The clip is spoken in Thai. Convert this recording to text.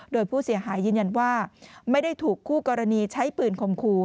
โดยผู้เสียหายยืนยันว่าไม่ได้ถูกคู่กรณีใช้ปืนข่มขู่